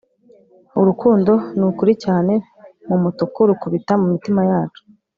urukundo nukuri cyane mumutuku, rukubita mumitima yacu